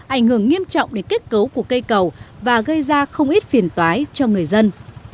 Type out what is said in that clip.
ảnh hưởng nghiêm trọng đến kết cấu của cây cầu và gây ra không ít phiền toái cho người dân